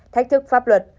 thách thức pháp luật